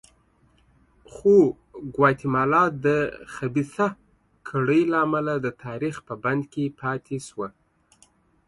خو ګواتیمالا د خبیثه کړۍ له امله د تاریخ په بند کې پاتې شوه.